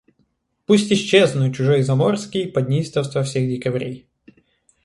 Пусть исчезну, чужой и заморский, под неистовства всех декабрей.